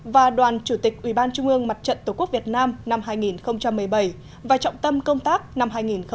và đoàn chủ tịch ủy ban trung ương mặt trận tổ quốc việt nam năm hai nghìn một mươi bảy và trọng tâm công tác năm hai nghìn một mươi chín